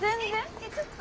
えっちょっと。